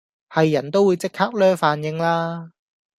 係人都會即刻 𦧲 飯應啦